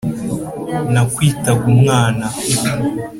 Nakwitaga umwana